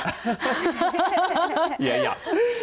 いやいや。